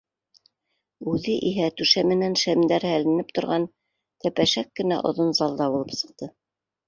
Үҙе иһә түшәменән шәмдәр һәленеп торған тәпәшәк кенә оҙон залда булып сыҡты.